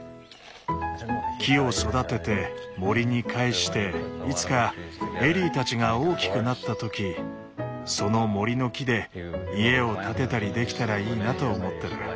木を育てて森に還していつかエリーたちが大きくなった時その森の木で家を建てたりできたらいいなと思ってる。